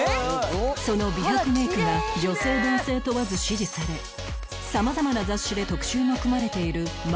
その美白メイクが女性男性問わず支持され様々な雑誌で特集も組まれている Ｍａｔｔ が参戦